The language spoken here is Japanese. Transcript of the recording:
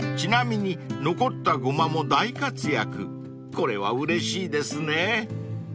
［これはうれしいですね］